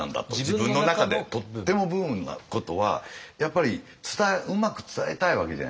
自分の中でとってもブームなことはやっぱりうまく伝えたいわけじゃないですか。